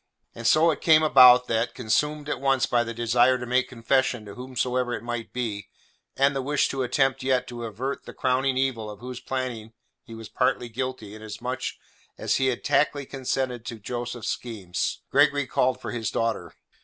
And so it came about that, consumed at once by the desire to make confession to whomsoever it might be, and the wish to attempt yet to avert the crowning evil of whose planning he was partly guilty inasmuch as he had tacitly consented to Joseph's schemes, Gregory called for his daughter.